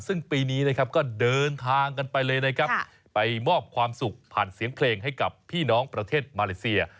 ซึ่งปีนี้นะครับก็เดินทางกันไปเลยนะครับไปมอบความสุขผ่านเสียงเพลงให้กับพี่น้องประเทศมาเลเซีย